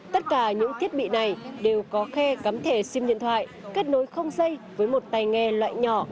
tất cả những thiết bị này đều có khe cắm thể sim điện thoại kết nối không dây với một tay nghe loại nhỏ